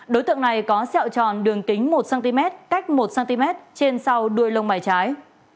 đối tượng này có xẹo tròn đường kính một cm cách một cm trên sau đuôi lông bài trái